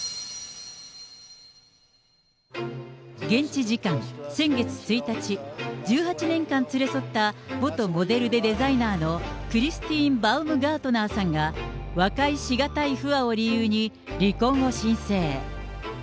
現地時間先月１日、１８年間連れ添った元モデルでデザイナーのクリスティーン・バウムガートナーさんが、和解し難い不和を理由に離婚を申請。